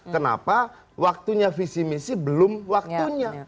kenapa waktunya visi misi belum waktunya